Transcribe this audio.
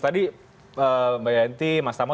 tadi mbak yanti mas tama